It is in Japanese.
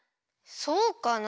そうかな？